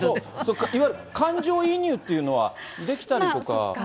いわゆる感情移入というのはできたりとか。